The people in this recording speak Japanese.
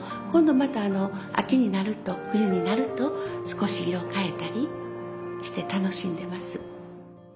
また秋になると冬になると少し色を変えたりして楽しんでます。